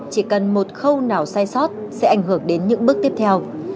chỉ cần một khâu nào sai sót sẽ ảnh hưởng đến những bước tiếp theo